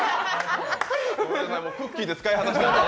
ごめんなさい、クッキーで使い果たしました。